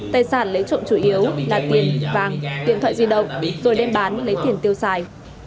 tài sản lấy trộm chủ yếu là tiền vàng điện thoại di động rồi đem bán lấy tiền tiêu xài